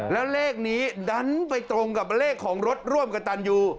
แล้วเลขนี้ดันไปตรงกับเลขของรถร่วมกับตันยู